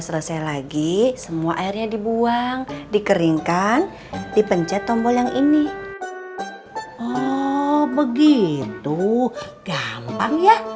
selesai lagi semua airnya dibuang dikeringkan dipencet tombol yang ini begitu gampang ya